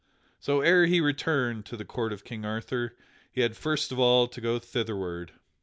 So ere he returned to the court of King Arthur he had first of all to go thitherward.